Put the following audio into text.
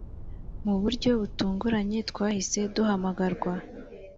mu buryo butunguranye twahise duhamagarwa.